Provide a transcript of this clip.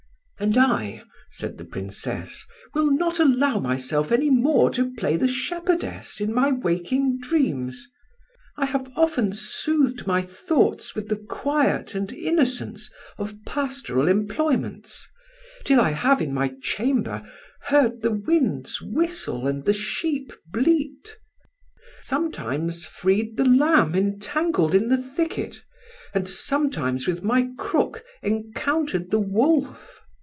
"And I," said the Princess, "will not allow myself any more to play the shepherdess in my waking dreams. I have often soothed my thoughts with the quiet and innocence of pastoral employments, till I have in my chamber heard the winds whistle and the sheep bleat; sometimes freed the lamb entangled in the thicket, and sometimes with my crook encountered the wolf.